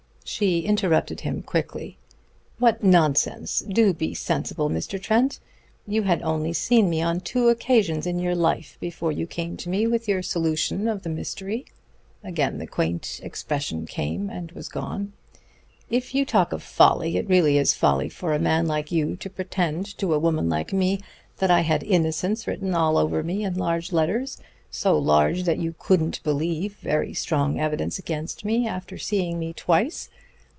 She interrupted him quickly. "What nonsense. Do be sensible, Mr. Trent. You had only seen me on two occasions in your life before you came to me with your solution of the mystery." Again the quaint expression came and was gone. "If you talk of folly, it really is folly for a man like you to pretend to a woman like me that I had innocence written all over me in large letters so large that you couldn't believe very strong evidence against me after seeing me twice."